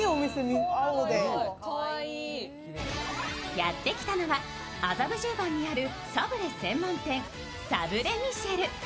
やってきたのは麻布十番にあるサブレ専門店、サブレミシェル。